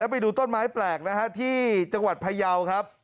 ไปดูต้นไม้แปลกนะฮะที่จังหวัดพยาวครับ